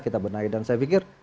kita benahi dan saya pikir